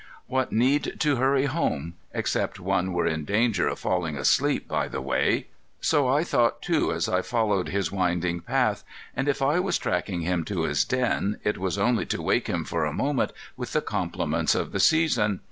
What need to hurry home, except one were in danger of falling asleep by the way? So I thought, too, as I followed his winding path; and if I was tracking him to his den, it was only to wake him for a moment with the compliments of the season.